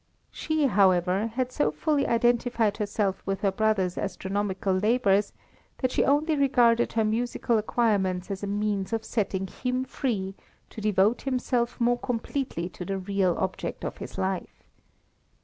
She, however, had so fully identified herself with her brother's astronomical labours, that she only regarded her musical acquirements as a means of setting him free to devote himself more completely to the real object of his life.